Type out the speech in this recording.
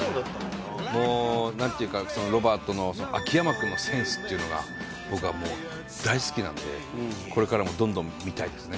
もうなんていうかロバートの秋山君のセンスっていうのが僕はもう大好きなんでこれからもどんどん見たいですね。